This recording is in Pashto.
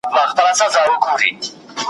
د حقوق پوهنځي ونه لوستله ,